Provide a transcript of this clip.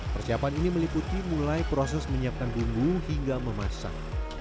persiapan ini meliputi mulai proses menyiapkan bumbu hingga memasak